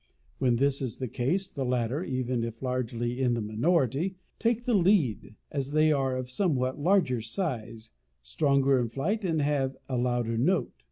When this is the case, the latter, even if largely in the minority, take the lead, as they are of somewhat larger size, stronger in flight, and have a louder note.